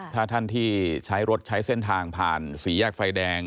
ถ้าท่านที่ใช้รถใช้เส้นทางผ่านสี่แยกไฟแดง